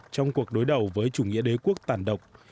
trong cuộc đối đầu với chủ nghĩa đế quốc tàn độc